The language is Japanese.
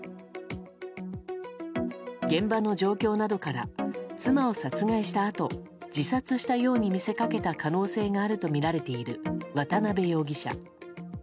現場の状況などから妻を殺害したあと自殺したように見せかけた可能性があるとみられている渡辺容疑者。